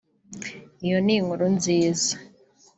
Iyo ni inkuru nziza